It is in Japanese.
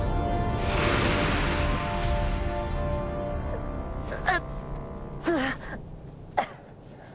うっううっ。